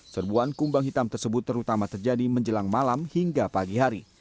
serbuan kumbang hitam tersebut terutama terjadi menjelang malam hingga pagi hari